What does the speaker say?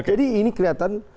jadi ini kelihatan